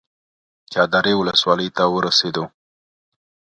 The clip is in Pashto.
چادرې ولسوالۍ ته ورسېدو.